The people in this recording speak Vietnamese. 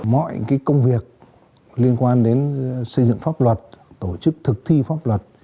mọi công việc liên quan đến xây dựng pháp luật tổ chức thực thi pháp luật